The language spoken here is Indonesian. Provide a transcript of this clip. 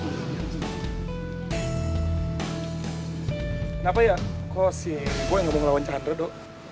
kenapa ya kok sih gue yang udah ngelawan cahandre do